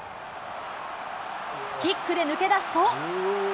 キックで抜け出すと。